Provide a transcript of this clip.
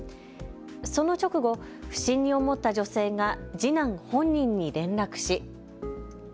その直後、不審に思った女性が次男本人に連絡し。